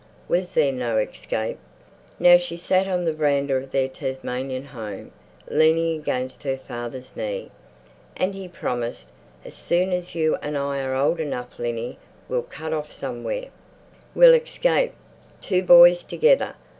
Was there no escape? ... Now she sat on the veranda of their Tasmanian home, leaning against her father's knee. And he promised, "As soon as you and I are old enough, Linny, we'll cut off somewhere, we'll escape. Two boys together.